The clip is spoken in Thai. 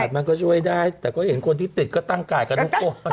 มันก็ช่วยได้แต่ก็เห็นคนที่ติดก็ตั้งกาดกันทุกคน